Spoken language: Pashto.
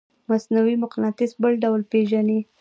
مصنوعي مقناطیس بل ډول پیژنئ؟